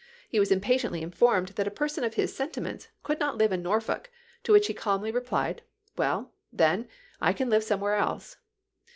He was impatiently informed that a person of his sentiments * could not hve in Norfolk,' to which he calmly re phed, ' Well, then, I can live somewhere else.'